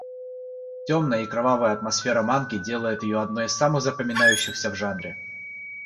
Темная и кровавая атмосфера манги делает ее одной из самых запоминающихся в жанре.